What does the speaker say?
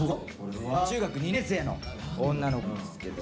中学２年生の女の子なんですけど。